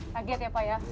kaget ya pak ya